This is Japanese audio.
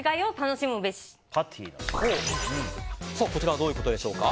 こちらはどういうことでしょうか？